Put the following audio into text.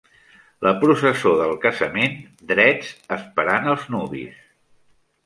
La processó del casament drets esperant els nuvis.